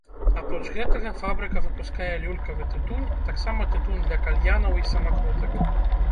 Апроч гэтага, фабрыка выпускае люлькавы тытунь, а таксама тытунь для кальянаў і самакрутак.